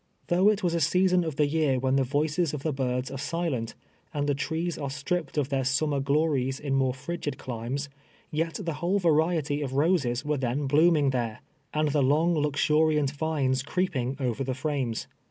Though it was a season of the year when the voices of the birds are silent, and the trees are stripped of their summer glories in more frigid climes, yet the whole variety of roses were then blooming there, and THE mistress' GARDEN. 14:Y tlie long, luxiTrlant vines creeping over the frumes.